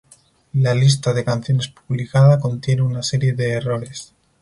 La lista de canciones publicada contiene una serie de errores.